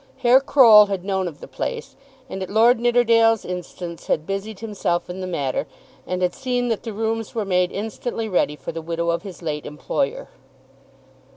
Herr Croll had known of the place, and at Lord Nidderdale's instance had busied himself in the matter, and had seen that the rooms were made instantly ready for the widow of his late employer.